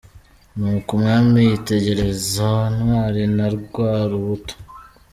Ni uko umwami yitegereza Ntwari na rwa rubuto.